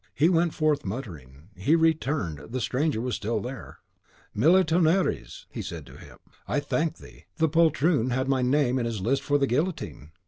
He went forth muttering; he returned, the stranger was still there. "Mille tonnerres," he said to him, "I thank thee; the poltroon had my name in his list for the guillotine."